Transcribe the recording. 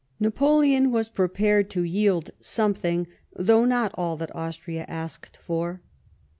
Napoleon was prepared to yield something, though not all that Austria asked for.